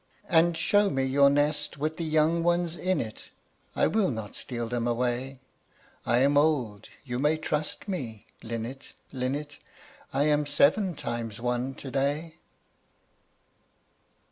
And show me your nest with the young ones in it; I will not steal them away; I am old! you may trust me, linnet, linnet I am seven times one to day.